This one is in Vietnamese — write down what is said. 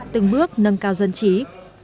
từng bước nâng cao dân trí